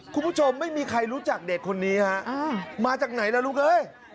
คุณผู้ชมไม่มีใครรู้จักเด็กคนนี้ฮะมาจากไหนล่ะลูกเอ้ย